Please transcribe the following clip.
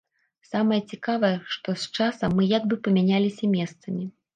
Самае цікавае, што з часам мы як бы памяняліся месцамі.